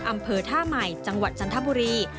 อำเภอท่าใหม่จังหวัดจันทบุรี